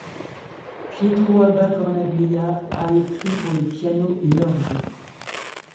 Pietro Abbà Cornaglia a écrit pour le piano et l’orgue.